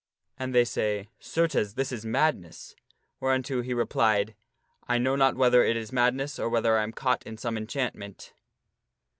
And they say, " Certes, this is madness." Whereunto he replied, " I know not whether it is madness or whether I am caught in some enchantment."